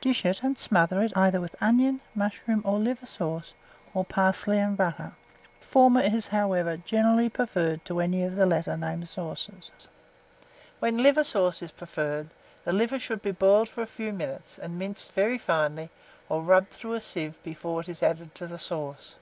Dish it, and smother it either with onion, mushroom, or liver sauce, or parsley and butter; the former is, however, generally preferred to any of the last named sauces. When liver sauce is preferred, the liver should be boiled for a few minutes, and minced very finely, or rubbed through a sieve before it is added to the sauce.